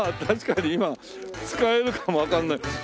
確かに今使えるかもわかんない。